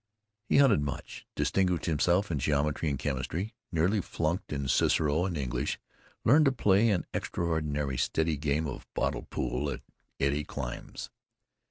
He hunted much; distinguished himself in geometry and chemistry; nearly flunked in Cicero and English; learned to play an extraordinarily steady game of bottle pool at Eddie Klemm's.